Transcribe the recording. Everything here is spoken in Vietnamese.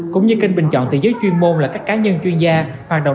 cũng như kênh bình chọn từ giới chuyên môn là các cá nhân chuyên gia hoạt động